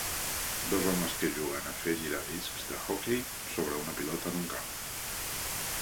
Dos homes que juguen a fer girar discs d'hoquei sobre una pilota en un camp.